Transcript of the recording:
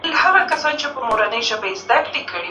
نه وم د رندانو په محفل کي مغان څه ویل